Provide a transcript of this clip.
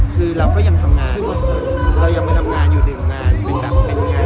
เรายังมันทำงานอยู่ด้วยหลื่องาน